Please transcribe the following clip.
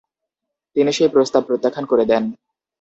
তিনি সেই প্রস্তাব প্রত্যাখ্যান করে দেন।